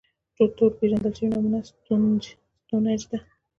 تر ټولو پېژندل شوې نمونه ستونهنج ده.